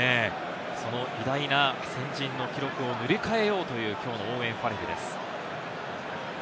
偉大な先人の記録を塗り替えようという、きょうのオーウェン・ファレルです。